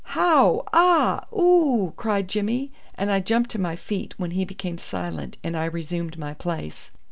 "How aw ooo!" cried Jimmy, and I jumped to my feet, when he became silent, and I resumed my place.